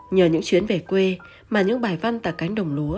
nhờ những chuyến về quê mà những bài văn tại cánh đồng lúa